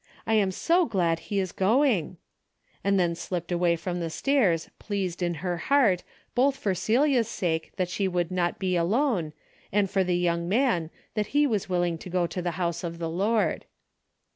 I am so glad he is going," and then slipped away from the stairs pleased in her heart, both for Celia's sake that she would not be alone, and for the young man that he was willing to go to the house of the Lord.